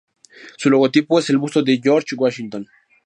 Su logotipo es el busto de George Washington.